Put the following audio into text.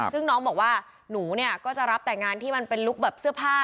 ซึ่งน้องบอกว่าหนูเนี่ยก็จะรับแต่งานที่มันเป็นลุคแบบเสื้อผ้า